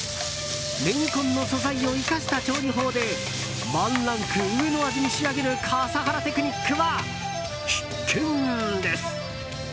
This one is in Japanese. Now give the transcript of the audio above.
レンコンの素材を生かした調理法でワンランク上の味に仕上げる笠原テクニックは必見です。